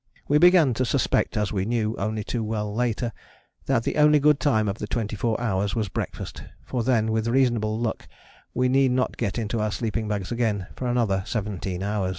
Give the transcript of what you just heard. We began to suspect, as we knew only too well later, that the only good time of the twenty four hours was breakfast, for then with reasonable luck we need not get into our sleeping bags again for another seventeen hours.